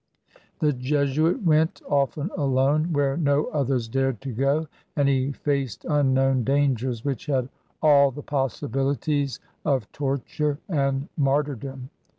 The Jesuit went, often alone, where no others dared to go, and he faced unknown dangers which had all the possibilities of torture and martyrdom.